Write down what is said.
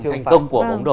thành công của bóng đổ